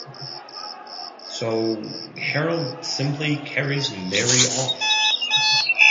So Harold simply carries Mary off.